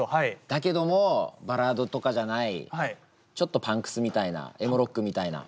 だけどもバラードとかじゃないちょっとパンクスみたいなエモロックみたいな。